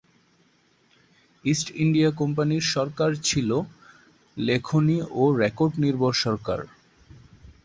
East India কোম্পানির সরকার ছিল লেখনি ও রেকর্ড নির্ভর সরকার।